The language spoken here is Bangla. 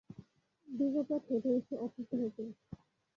দীর্ঘ পথ হেঁটে এসে অসুস্থ হয়ে পড়েছে।